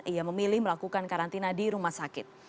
ia memilih melakukan karantina di rumah sakit